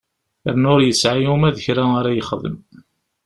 Yerna ur yesɛi uma d kra ara yexdem.